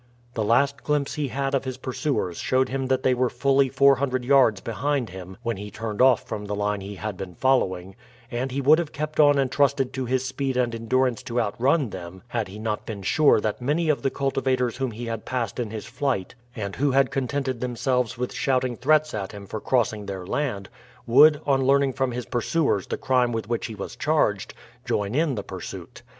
The last glimpse he had of his pursuers showed him that they were fully four hundred yards behind him when he turned off from the line he had been following, and he would have kept on and trusted to his speed and endurance to outrun them had he not been sure that many of the cultivators whom he had passed in his flight, and who had contented themselves with shouting threats at him for crossing their land, would, on learning from his pursuers the crime with which he was charged, join in the pursuit.